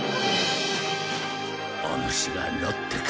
おぬしがロッテか？